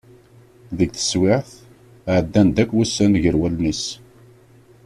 Deg teswiɛt, ɛeddan-d akk wussan gar wallen-is.